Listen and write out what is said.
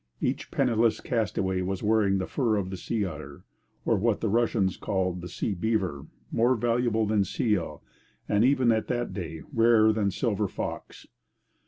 Each penniless castaway was wearing the fur of the sea otter, or what the Russians called the sea beaver, more valuable than seal, and, even at that day, rarer than silver fox.